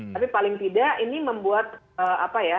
tapi paling tidak ini membuat apa ya